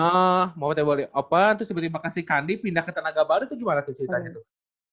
ah mopetnya bali open terus diberi makasih kandi pindah ke tanaga baru tuh gimana tuh ceritanya tuh